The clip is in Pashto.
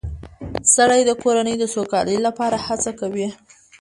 سړی د کورنۍ د سوکالۍ لپاره هڅه کوي